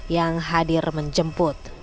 yang hadir menjemput